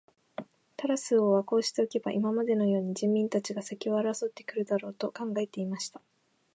タラス王はこうしておけば、今までのように人民たちが先を争って来るだろう、と考えていました。